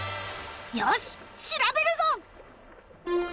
よししらべるぞ！